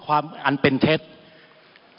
มันมีมาต่อเนื่องมีเหตุการณ์ที่ไม่เคยเกิดขึ้น